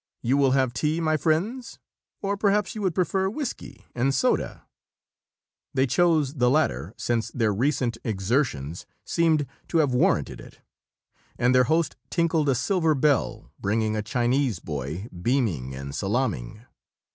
"You will have tea, my friends? Or perhaps you would prefer whiskey and soda?" They chose the latter, since their recent exertions seemed to have warranted it, and their host tinkled a silver bell, bringing a Chinese boy beaming and salaaming.